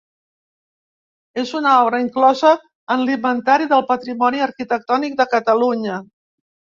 És una obra inclosa en l'Inventari del Patrimoni Arquitectònic de Catalunya.